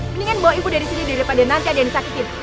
mendingan bawa ibu dari sini daripada nanti ada yang disakitin